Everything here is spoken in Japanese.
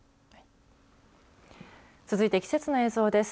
続いて季節の映像です。